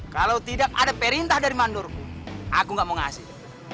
kalau tidak ada perintah dari mandurku aku gak mau ngasih